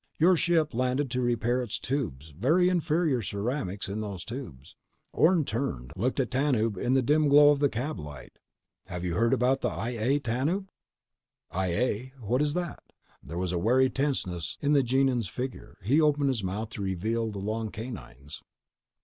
Your ship landed to repair its tubes. Very inferior ceramics in those tubes." Orne turned, looked at Tanub in the dim glow of the cab light. "Have you heard about the I A, Tanub?" "I A? What is that?" There was a wary tenseness in the Gienahn's figure. His mouth opened to reveal the long canines.